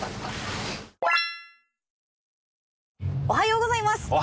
おはようございます！